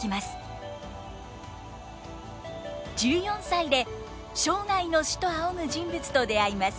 １４歳で生涯の師と仰ぐ人物と出会います。